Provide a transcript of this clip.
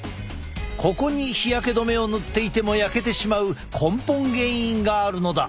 ここに日焼け止めを塗っていても焼けてしまう根本原因があるのだ。